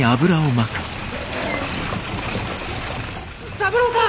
三郎さん！